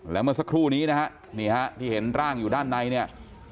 แล้วเมื่อสักครู่นี้นะฮะนี่ฮะที่เห็นร่างอยู่ด้านในเนี่ย